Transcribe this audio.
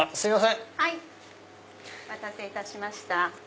お待たせいたしました。